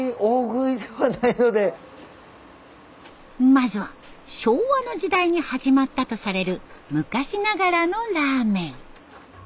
まずは昭和の時代に始まったとされる昔ながらのラーメン。